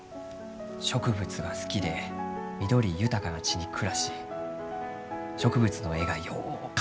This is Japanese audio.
植物が好きで緑豊かな地に暮らし植物の絵がよう描ける。